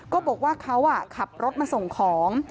ก็บอกว่าเขาขับรถมาส่งของ